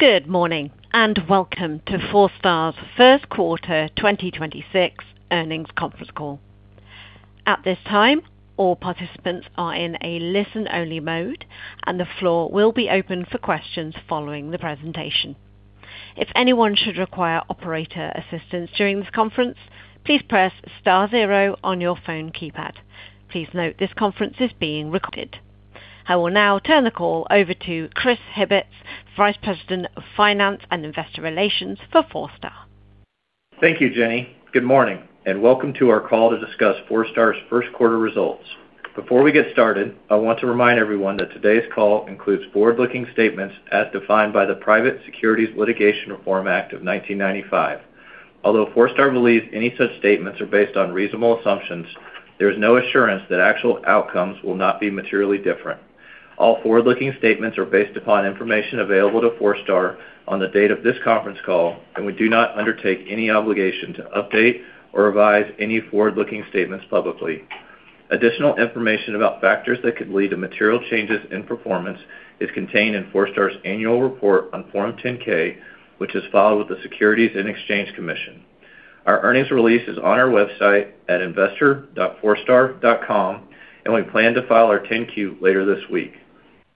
Good morning and welcome to Forestar's First Quarter 2026 Earnings Conference Call. At this time, all participants are in a listen-only mode, and the floor will be open for questions following the presentation. If anyone should require operator assistance during this conference, please press star zero on your phone keypad. Please note this conference is being recorded. I will now turn the call over to Chris Hibbetts, Vice President of Finance and Investor Relations for Forestar. Thank you, Jenny. Good morning and welcome to our call to discuss Forestar's first quarter results. Before we get started, I want to remind everyone that today's call includes forward-looking statements as defined by the Private Securities Litigation Reform Act of 1995. Although Forestar believes any such statements are based on reasonable assumptions, there is no assurance that actual outcomes will not be materially different. All forward-looking statements are based upon information available to Forestar on the date of this conference call, and we do not undertake any obligation to update or revise any forward-looking statements publicly. Additional information about factors that could lead to material changes in performance is contained in Forestar's annual report on Form 10-K, which is filed with the Securities and Exchange Commission. Our earnings release is on our website at investor.forestar.com, and we plan to file our 10-Q later this week.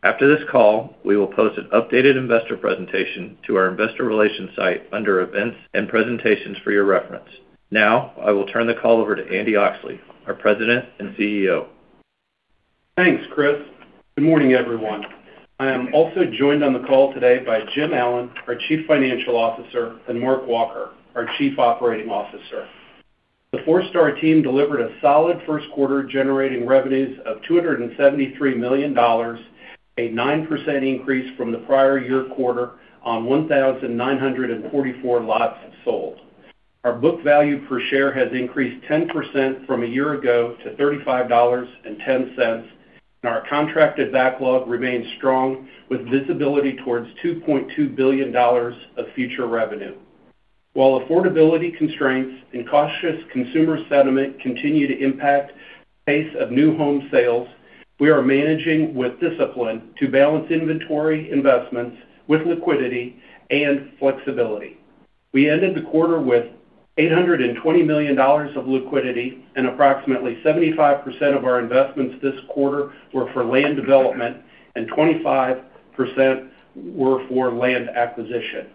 After this call, we will post an updated investor presentation to our investor relations site under Events and Presentations for your reference. Now, I will turn the call over to Andy Oxley, our President and CEO. Thanks, Chris. Good morning, everyone. I am also joined on the call today by Jim Allen, our Chief Financial Officer, and Mark Walker, our Chief Operating Officer. The Forestar team delivered a solid first quarter generating revenues of $273 million, a 9% increase from the prior year quarter on 1,944 lots sold. Our book value per share has increased 10% from a year ago to $35.10, and our contracted backlog remains strong with visibility towards $2.2 billion of future revenue. While affordability constraints and cautious consumer sentiment continue to impact the pace of new home sales, we are managing with discipline to balance inventory investments with liquidity and flexibility. We ended the quarter with $820 million of liquidity, and approximately 75% of our investments this quarter were for land development, and 25% were for land acquisition.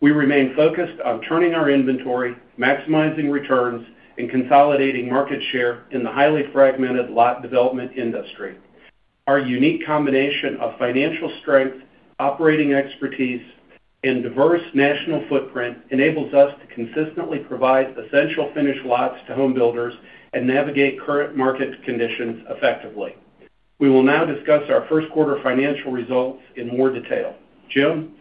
We remain focused on turning our inventory, maximizing returns, and consolidating market share in the highly fragmented lot development industry. Our unique combination of financial strength, operating expertise, and diverse national footprint enables us to consistently provide essential finished lots to home builders and navigate current market conditions effectively. We will now discuss our first quarter financial results in more detail. Jim?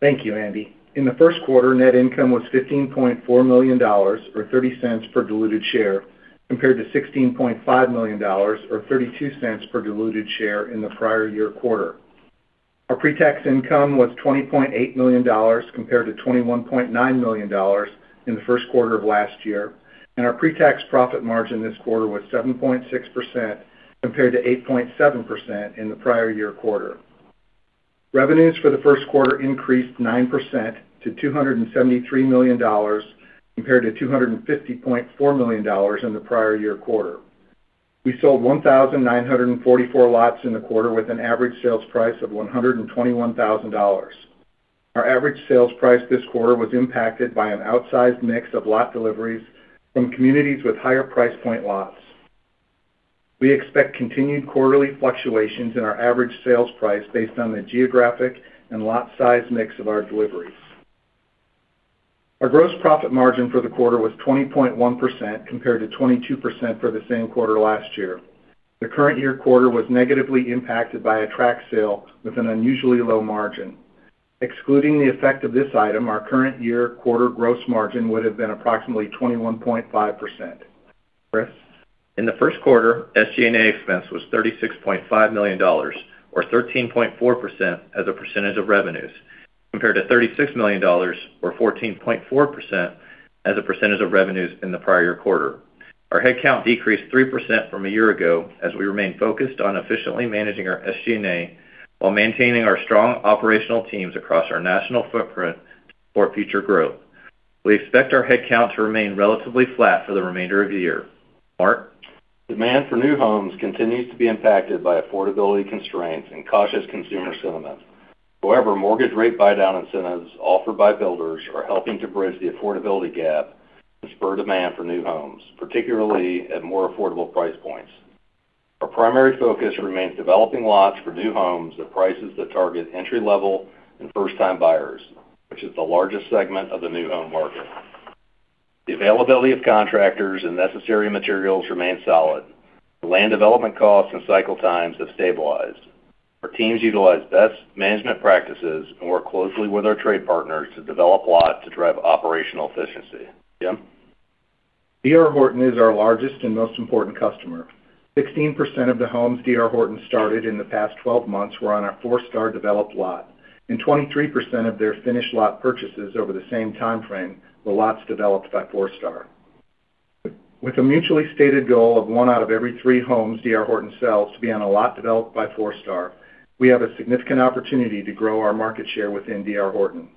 Thank you, Andy. In the first quarter, net income was $15.4 million or $0.30 per diluted share, compared to $16.5 million or $0.32 per diluted share in the prior year quarter. Our pre-tax income was $20.8 million compared to $21.9 million in the first quarter of last year, and our pre-tax profit margin this quarter was 7.6% compared to 8.7% in the prior year quarter. Revenues for the first quarter increased 9% to $273 million compared to $250.4 million in the prior year quarter. We sold 1,944 lots in the quarter with an average sales price of $121,000. Our average sales price this quarter was impacted by an outsized mix of lot deliveries from communities with higher price point lots. We expect continued quarterly fluctuations in our average sales price based on the geographic and lot size mix of our deliveries. Our gross profit margin for the quarter was 20.1% compared to 22% for the same quarter last year. The current year quarter was negatively impacted by a tract sale with an unusually low margin. Excluding the effect of this item, our current year quarter gross margin would have been approximately 21.5%. Chris? In the first quarter, SG&A expense was $36.5 million or 13.4% as a percentage of revenues, compared to $36 million or 14.4% as a percentage of revenues in the prior year quarter. Our headcount decreased 3% from a year ago as we remain focused on efficiently managing our SG&A while maintaining our strong operational teams across our national footprint for future growth. We expect our headcount to remain relatively flat for the remainder of the year. Mark? Demand for new homes continues to be impacted by affordability constraints and cautious consumer sentiment. However, mortgage rate buydown incentives offered by builders are helping to bridge the affordability gap and spur demand for new homes, particularly at more affordable price points. Our primary focus remains developing lots for new homes at prices that target entry-level and first-time buyers, which is the largest segment of the new home market. The availability of contractors and necessary materials remains solid. Land development costs and cycle times have stabilized. Our teams utilize best management practices and work closely with our trade partners to develop lots to drive operational efficiency. Jim? D.R. Horton is our largest and most important customer. 16% of the homes D.R. Horton started in the past 12 months were on a Forestar developed lot, and 23% of their finished lot purchases over the same timeframe were lots developed by Forestar. With a mutually stated goal of one out of every three homes D.R. Horton sells to be on a lot developed by Forestar, we have a significant opportunity to grow our market share within D.R. Horton.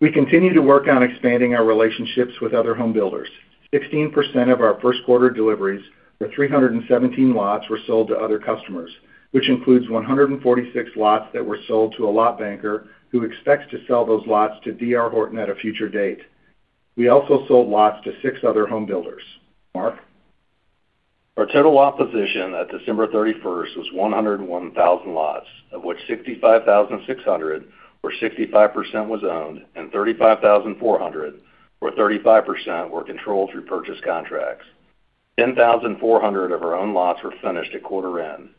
We continue to work on expanding our relationships with other home builders. 16% of our first quarter deliveries were 317 lots sold to other customers, which includes 146 lots that were sold to a lot banker who expects to sell those lots to D.R. Horton at a future date. We also sold lots to six other home builders. Mark? Our total lot position at December 31st was 101,000 lots, of which 65,600 or 65% was owned and 35,400 or 35% were controlled through purchase contracts. 10,400 of our own lots were finished at quarter end,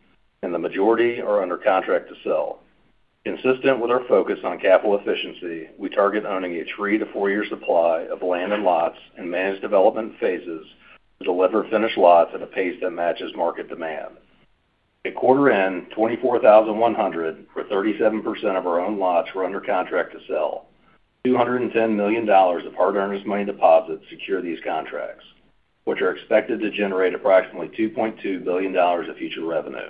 and the majority are under contract to sell. Consistent with our focus on capital efficiency, we target owning a three- to four-year supply of land and lots and manage development phases to deliver finished lots at a pace that matches market demand. At quarter end, 24,100 or 37% of our own lots were under contract to sell. $210 million of hard earnest money deposits secure these contracts, which are expected to generate approximately $2.2 billion of future revenue.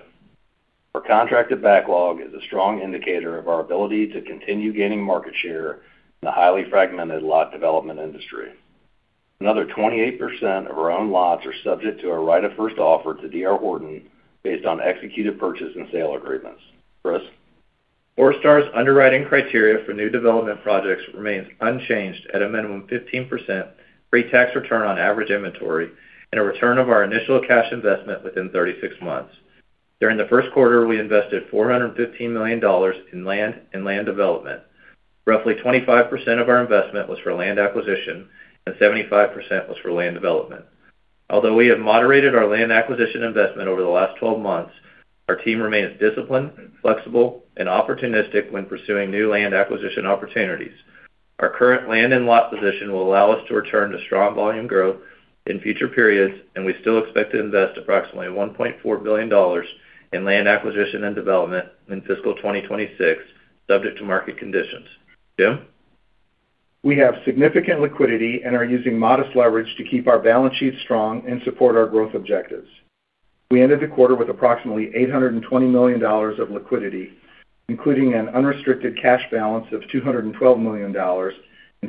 Our contracted backlog is a strong indicator of our ability to continue gaining market share in the highly fragmented lot development industry. Another 28% of our own lots are subject to a right of first offer to D.R. Horton based on executed purchase and sale agreements. Chris? Forestar's underwriting criteria for new development projects remains unchanged at a minimum 15% pre-tax return on average inventory and a return of our initial cash investment within 36 months. During the first quarter, we invested $415 million in land and land development. Roughly 25% of our investment was for land acquisition, and 75% was for land development. Although we have moderated our land acquisition investment over the last 12 months, our team remains disciplined, flexible, and opportunistic when pursuing new land acquisition opportunities. Our current land and lot position will allow us to return to strong volume growth in future periods, and we still expect to invest approximately $1.4 billion in land acquisition and development in fiscal 2026, subject to market conditions. Jim? We have significant liquidity and are using modest leverage to keep our balance sheet strong and support our growth objectives. We ended the quarter with approximately $820 million of liquidity, including an unrestricted cash balance of $212 million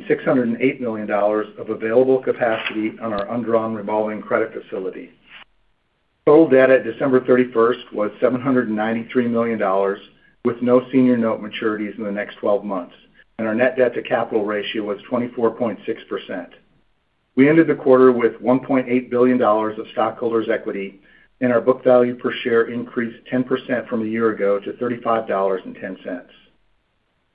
and $608 million of available capacity on our undrawn revolving credit facility. Total debt at December 31st was $793 million, with no senior note maturities in the next 12 months, and our net debt to capital ratio was 24.6%. We ended the quarter with $1.8 billion of stockholders' equity, and our book value per share increased 10% from a year ago to $35.10.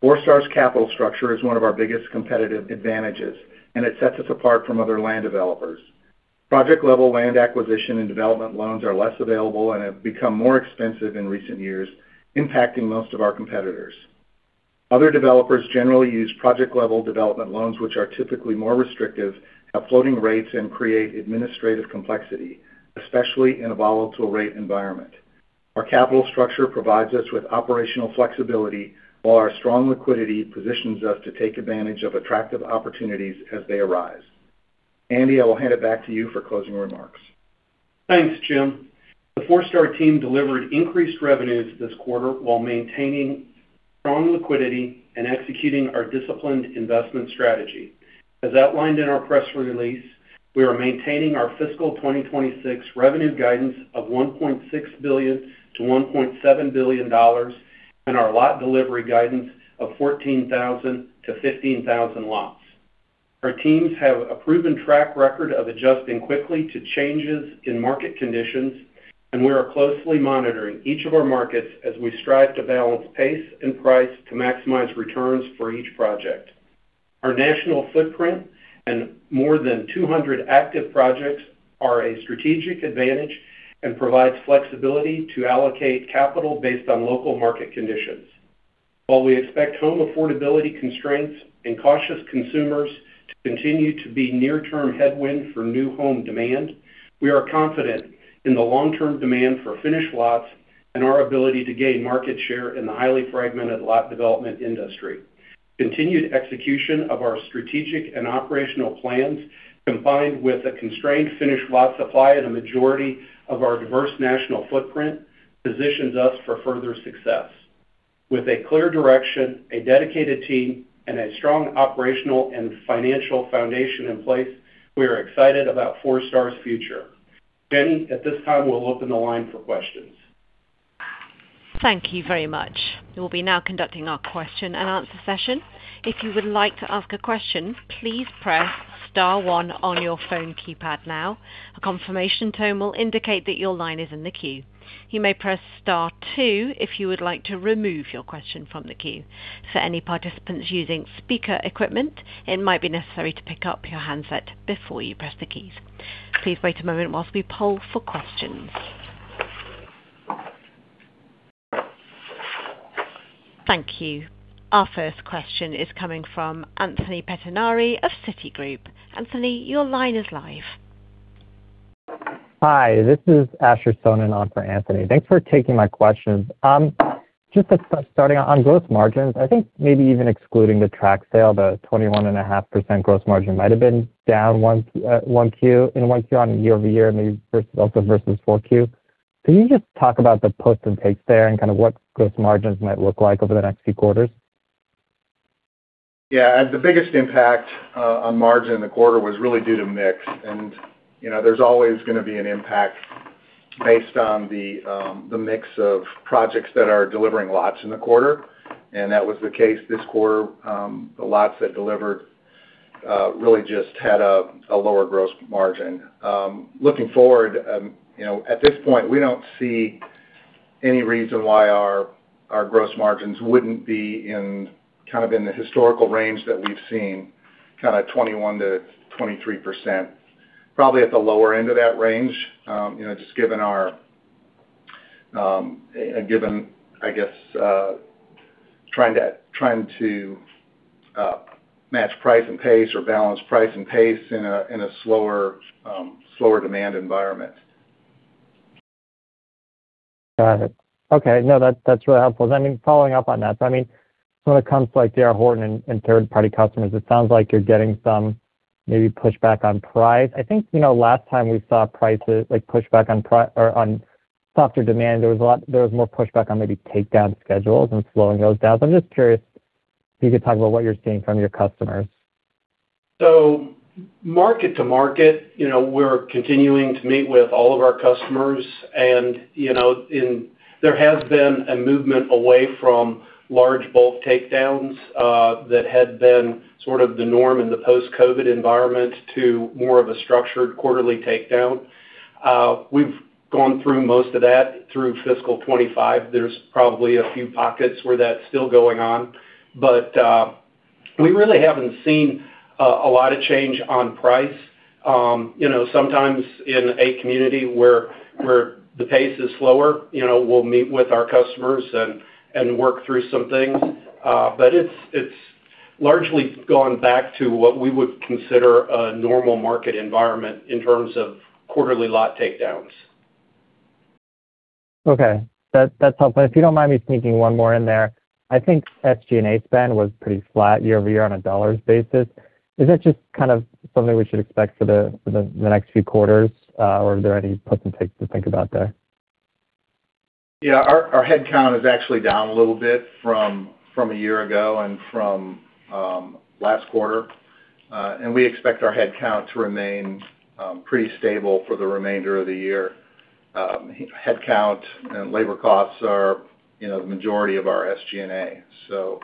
Forestar's capital structure is one of our biggest competitive advantages, and it sets us apart from other land developers. Project-level land acquisition and development loans are less available and have become more expensive in recent years, impacting most of our competitors. Other developers generally use project-level development loans, which are typically more restrictive, have floating rates, and create administrative complexity, especially in a volatile rate environment. Our capital structure provides us with operational flexibility, while our strong liquidity positions us to take advantage of attractive opportunities as they arise. Andy, I will hand it back to you for closing remarks. Thanks, Jim. The Forestar team delivered increased revenues this quarter while maintaining strong liquidity and executing our disciplined investment strategy. As outlined in our press release, we are maintaining our fiscal 2026 revenue guidance of $1.6 billion-$1.7 billion and our lot delivery guidance of 14,000-15,000 lots. Our teams have a proven track record of adjusting quickly to changes in market conditions, and we are closely monitoring each of our markets as we strive to balance pace and price to maximize returns for each project. Our national footprint and more than 200 active projects are a strategic advantage and provide flexibility to allocate capital based on local market conditions. While we expect home affordability constraints and cautious consumers to continue to be near-term headwinds for new home demand, we are confident in the long-term demand for finished lots and our ability to gain market share in the highly fragmented lot development industry. Continued execution of our strategic and operational plans, combined with a constrained finished lot supply in a majority of our diverse national footprint, positions us for further success. With a clear direction, a dedicated team, and a strong operational and financial foundation in place, we are excited about Forestar's future. Jenny, at this time, we'll open the line for questions. Thank you very much. We'll be now conducting our question and answer session. If you would like to ask a question, please press Star 1 on your phone keypad now. A confirmation tone will indicate that your line is in the queue. You may press Star 2 if you would like to remove your question from the queue. For any participants using speaker equipment, it might be necessary to pick up your handset before you press the keys. Please wait a moment whilst we poll for questions. Thank you. Our first question is coming from Anthony Pettinari of Citi. Anthony, your line is live. Hi, this is Ashley Sohn on for Anthony. Thanks for taking my questions. Just starting on gross margins, I think maybe even excluding the tract sale, the 21.5% gross margin might have been down Q1 to Q1 year-over-year, maybe also versus Q4. Can you just talk about the pros and cons there and kind of what gross margins might look like over the next few quarters? Yeah, the biggest impact on margin in the quarter was really due to mix. And there's always going to be an impact based on the mix of projects that are delivering lots in the quarter. And that was the case this quarter. The lots that delivered really just had a lower gross margin. Looking forward, at this point, we don't see any reason why our gross margins wouldn't be kind of in the historical range that we've seen, kind of 21%-23%, probably at the lower end of that range, just given our given, I guess, trying to match price and pace or balance price and pace in a slower demand environment. Got it. Okay. No, that's really helpful. I mean, following up on that, I mean, when it comes to D.R. Horton and third-party customers, it sounds like you're getting some maybe pushback on price. I think last time we saw price pushback on softer demand, there was more pushback on maybe takedown schedules and slowing those down. So I'm just curious if you could talk about what you're seeing from your customers. Market to market, we're continuing to meet with all of our customers. There has been a movement away from large bulk takedowns that had been sort of the norm in the post-COVID environment to more of a structured quarterly takedown. We've gone through most of that through fiscal 2025. There's probably a few pockets where that's still going on. We really haven't seen a lot of change on price. Sometimes in a community where the pace is slower, we'll meet with our customers and work through some things. It's largely gone back to what we would consider a normal market environment in terms of quarterly lot takedowns. Okay. That's helpful. If you don't mind me sneaking one more in there, I think SG&A spend was pretty flat year-over-year on a dollars basis. Is that just kind of something we should expect for the next few quarters, or are there any puts and takes to think about there? Yeah, our headcount is actually down a little bit from a year ago and from last quarter. And we expect our headcount to remain pretty stable for the remainder of the year. Headcount and labor costs are the majority of our SG&A. So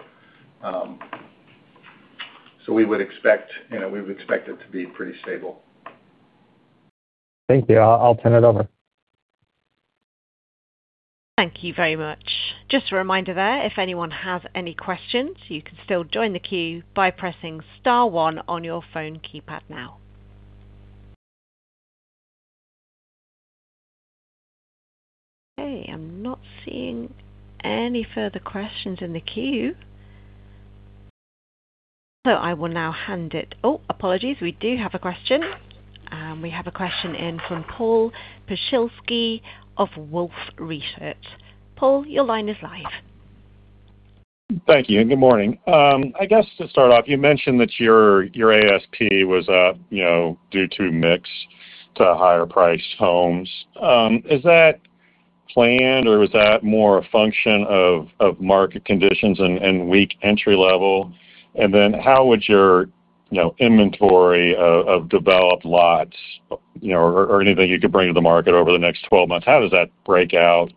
we would expect it to be pretty stable. Thank you. I'll turn it over. Thank you very much. Just a reminder there, if anyone has any questions, you can still join the queue by pressing star one on your phone keypad now. Okay. I'm not seeing any further questions in the queue, so I will now hand it. Oh, apologies, we do have a question. We have a question in from Paul Przybylski of Wolfe Research. Paul, your line is live. Thank you. Good morning. I guess to start off, you mentioned that your ASP was due to mix to higher price homes. Is that planned, or was that more a function of market conditions and weak entry level? And then how would your inventory of developed lots or anything you could bring to the market over the next 12 months, how does that break out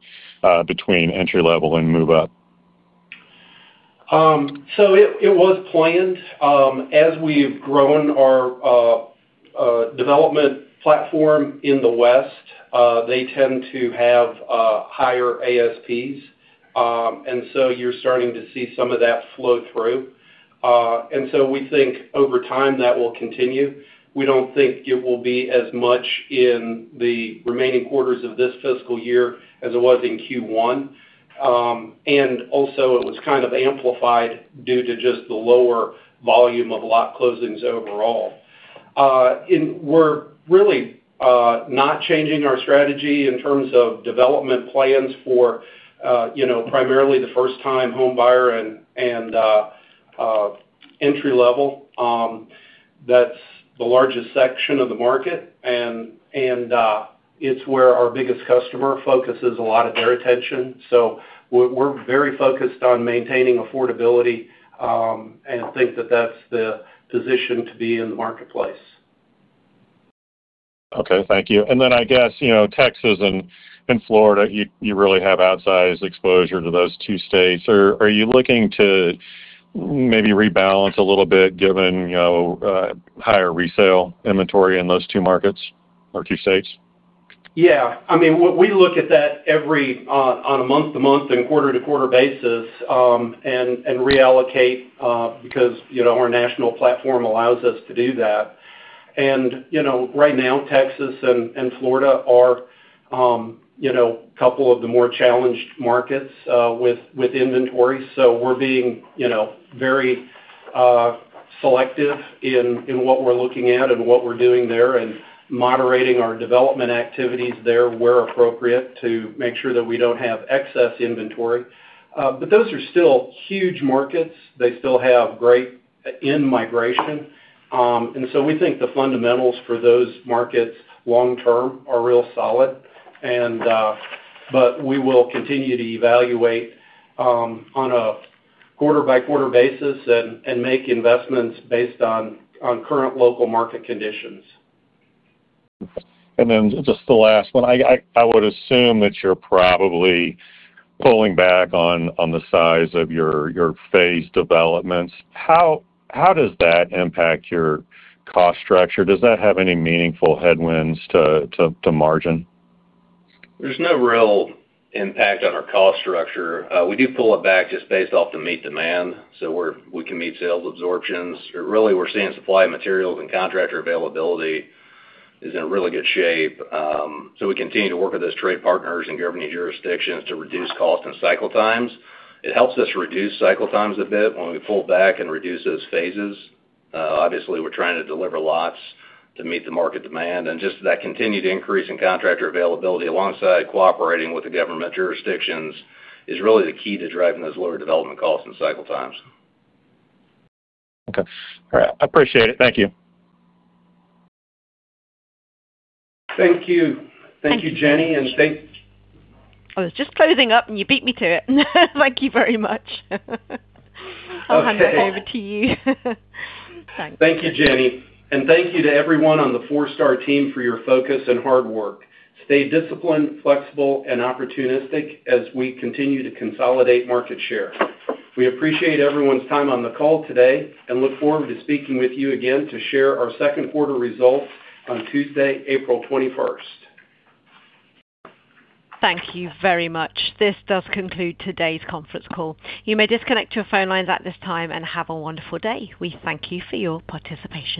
between entry level and move up? So it was planned. As we've grown our development platform in the West, they tend to have higher ASPs. And so you're starting to see some of that flow through. And so we think over time that will continue. We don't think it will be as much in the remaining quarters of this fiscal year as it was in Q1. And also, it was kind of amplified due to just the lower volume of lot closings overall. We're really not changing our strategy in terms of development plans for primarily the first-time homebuyer and entry level. That's the largest section of the market, and it's where our biggest customer focuses a lot of their attention. So we're very focused on maintaining affordability and think that that's the position to be in the marketplace. Okay. Thank you. And then I guess Texas and Florida, you really have outsized exposure to those two states. Are you looking to maybe rebalance a little bit given higher resale inventory in those two markets or two states? Yeah. I mean, we look at that on a month-to-month and quarter-to-quarter basis and reallocate because our national platform allows us to do that. And right now, Texas and Florida are a couple of the more challenged markets with inventory. So we're being very selective in what we're looking at and what we're doing there and moderating our development activities there where appropriate to make sure that we don't have excess inventory. But those are still huge markets. They still have great in-migration. And so we think the fundamentals for those markets long-term are real solid. But we will continue to evaluate on a quarter-by-quarter basis and make investments based on current local market conditions. And then just the last one. I would assume that you're probably pulling back on the size of your phased developments. How does that impact your cost structure? Does that have any meaningful headwinds to margin? There's no real impact on our cost structure. We do pull it back just based off the need to meet demand so we can meet sales absorptions. Really, we're seeing supply of materials and contractor availability is in really good shape. So we continue to work with those trade partners and government jurisdictions to reduce cost and cycle times. It helps us reduce cycle times a bit when we pull back and reduce those phases. Obviously, we're trying to deliver lots to meet the market demand. And just that continued increase in contractor availability alongside cooperating with the government jurisdictions is really the key to driving those lower development costs and cycle times. Okay. All right. I appreciate it. Thank you. Thank you. Thank you, Jenny. And. I was just closing up, and you beat me to it. Thank you very much. I'll hand it over to you. Thank you, Jenny. And thank you to everyone on the Forestar team for your focus and hard work. Stay disciplined, flexible, and opportunistic as we continue to consolidate market share. We appreciate everyone's time on the call today and look forward to speaking with you again to share our second-quarter results on Tuesday, April 21st. Thank you very much. This does conclude today's conference call. You may disconnect your phone lines at this time and have a wonderful day. We thank you for your participation.